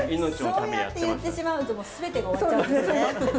そうやって言ってしまうと全てが終わっちゃうんですね。